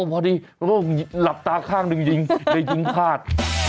โอ้โฮพอดีแล้วก็หลับตาข้างนึงยิงยิงพาด